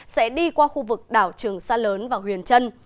sẽ đi qua khu vực đảo trường sa lớn và huyền trân